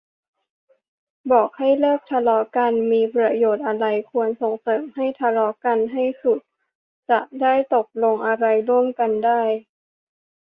บอกให้เลิกทะเลาะกัน มีประโยชน์อะไร ควรส่งเสริมให้ทะเลาะกันให้สุด จะได้ตกลงอะไรร่วมกันได้